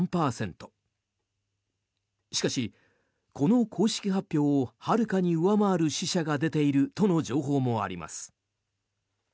しかし、この公式発表をはるかに上回る死者が出ているとの情報もあります。